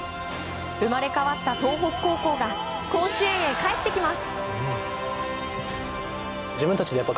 生まれ変わった東北高校が甲子園へ帰ってきます。